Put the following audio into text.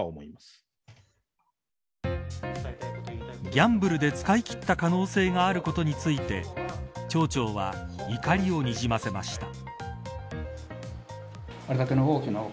ギャンブルて使い切った可能性があることについて町長は怒りをにじませました。